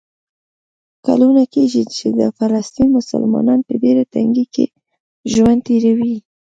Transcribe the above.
کلونه کېږي چې د فلسطین مسلمانان په ډېره تنګۍ کې ژوند تېروي.